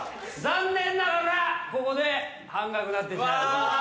残念ながらここで半額になってしまいます。